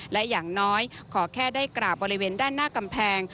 และอย่างน้อยขอแค่ได้กราบบริเวณด้านหน้ากำแพง